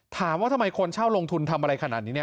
ถามว่าทำไมคนเช่าลงทุนทำอะไรขนาดนี้